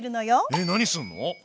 えっ何するの？